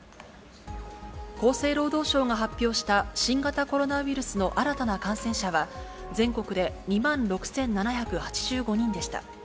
厚生労働省が発表した新型コロナウイルスの新たな感染者は、全国で２万６７８５人でした。